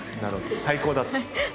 最高だったと。